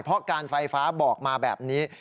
เพราะการไฟฟ้าบอกมาแบบนี้